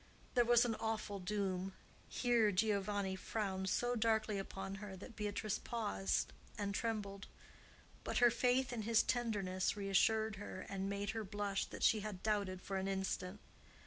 —there was an awful doom." Here Giovanni frowned so darkly upon her that Beatrice paused and trembled. But her faith in his tenderness reassured her, and made her blush that she had doubted for an instant.